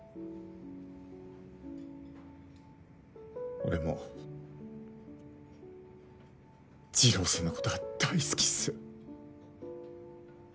俺も二郎さんのことは大好きっすよ。